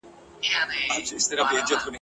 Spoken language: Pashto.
« اختیار به مي د ږیري همېشه د ملا نه وي» ..